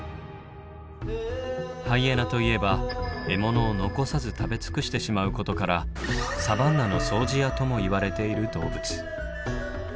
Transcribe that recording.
ハイエナといえば獲物を残さず食べ尽くしてしまうことから「サバンナの掃除屋」ともいわれている動物。